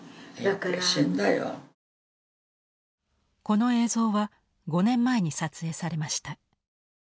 この映像は５年前に撮影されました。